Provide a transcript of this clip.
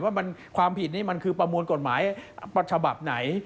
ว่าความผิดนี้มันคือประมวลกฎหมายฉบับไหน